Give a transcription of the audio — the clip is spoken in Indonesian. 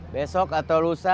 besok atau lusa